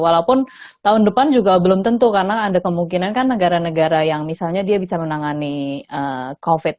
walaupun tahun depan juga belum tentu karena ada kemungkinan kan negara negara yang misalnya dia bisa menangani covid